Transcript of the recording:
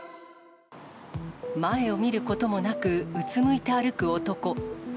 前を見ることもなく、うつむいて歩く男。